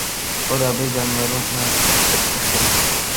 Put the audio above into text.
اور آبی جانوروں میں بطخیں